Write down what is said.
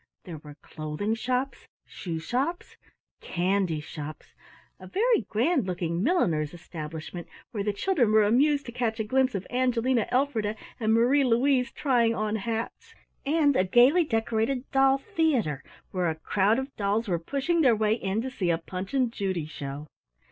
There were clothing shops, shoe shops, candy shops, a very grand looking milliner's establishment where the children were amused to catch a glimpse of Angelina Elfrida and Marie Louise trying on hats, and a gaily decorated doll theater where a crowd of dolls were pushing their way in to see a Punch and Judy show.